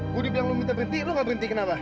gue bilang lo minta berhenti lo gak berhenti kenapa